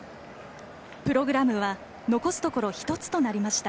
プログラムは残すところ１つとなりました。